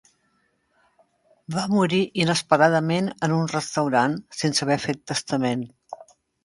Va morir inesperadament en un restaurant, sense haver fet testament.